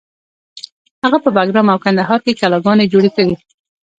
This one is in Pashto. هغه په بګرام او کندهار کې کلاګانې جوړې کړې